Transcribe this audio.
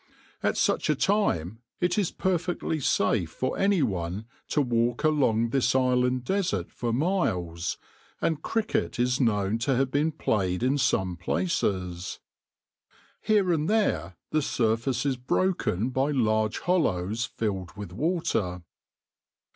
At such a time it is perfectly safe for anyone to walk along this island desert for miles, and cricket is known to have been played in some places. Here and there the surface is broken by large hollows filled with water.